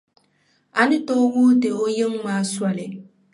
A ni tooi wuhi ti o yiŋa maa soli.